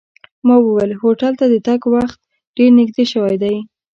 ما وویل هوټل ته د تګ وخت ډېر نږدې شوی دی.